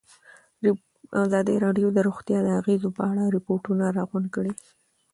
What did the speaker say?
ازادي راډیو د روغتیا د اغېزو په اړه ریپوټونه راغونډ کړي.